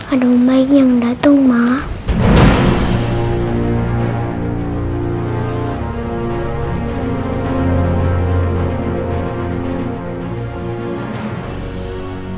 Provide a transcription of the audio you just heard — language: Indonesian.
aduh baiknya gak dateng mak